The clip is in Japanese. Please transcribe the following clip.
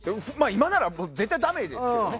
今なら絶対ダメですけどね。